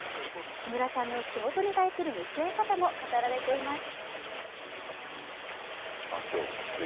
木村さんの仕事に対する向き合い方も語られています。